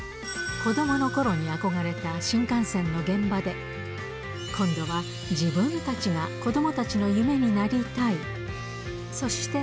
子どものころに憧れた新幹線の現場で、今度は自分たちが、子どもたちの夢になりたい。